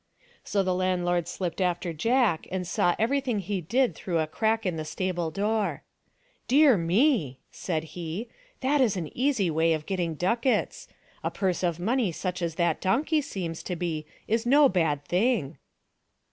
So the landlord slipped after Jack and saw everything he did through a crack in the stable door. " Dear me !" said he, " that is an easy way of getting ducats. A purse of money such as that donkey seems to be is no bad thing."